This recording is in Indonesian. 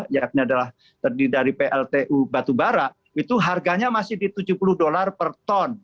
yakni adalah terdiri dari pltu batubara itu harganya masih di tujuh puluh dolar per ton